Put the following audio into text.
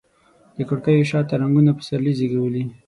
د کړکېو شاته رنګونو پسرلي زیږولي